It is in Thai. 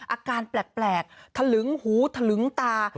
อาการแปลกถลึงหูถลึงตา